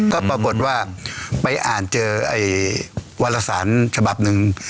ก็ปรากฏว่าไปอ่านเจอไอ้วารสารฉบับหนึ่ง